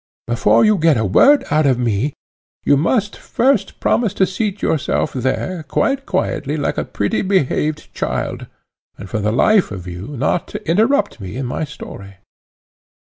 Before you get a word out of me, you must first promise to seat yourself there, quite quietly like a pretty behaved child, and for the life of you not to interrupt me in my story."